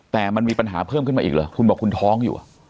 แต่มันมีปัญหาเพิ่มขึ้นมาอีกเหรอคุณบอกคุณท้องอยู่